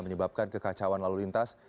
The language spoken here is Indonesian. menyebabkan kekacauan lalu lintas